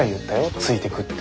ついてくって。